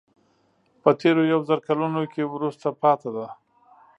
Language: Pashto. په تېرو یو زر کلونو کې وروسته پاتې ده.